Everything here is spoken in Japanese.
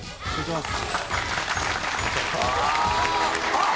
あっ。